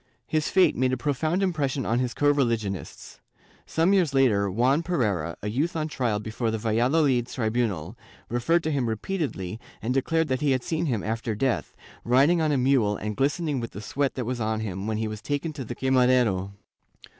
His fate made a profound impression on his co religionists. Some years later, Juan Pereira, a youth on trial before the Valladolid tribunal, referred to him repeatedly and declared that he had seen him after death, riding on a mule and glistening with the sweat that was on him when he was taken to the quemadero.